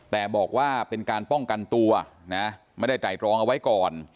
แต่บอกว่าเป็นการป้องกันตัวนะไม่ได้ไตรรองเอาไว้ก่อน